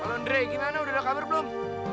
andre gimana udah kabar belum